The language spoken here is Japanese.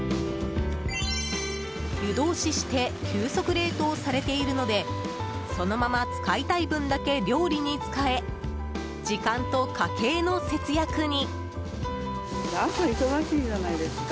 湯通しして急速冷凍されているのでそのまま使いたい分だけ料理に使え、時間と家計の節約に。